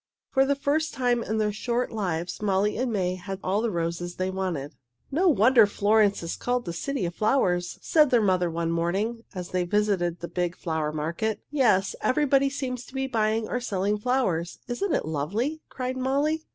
For the first time in their short lives Molly and May had all the roses they wanted. [Illustration: "Will you please let me sell your roses for you?"] "No wonder Florence is called the City of Flowers," said their mother one morning, as they visited the big flower market. "Yes, everybody seems to be buying or selling flowers. Isn't it lovely?" cried Molly.